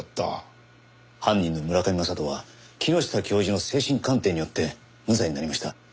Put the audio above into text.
犯人の村上雅人は木下教授の精神鑑定によって無罪になりました。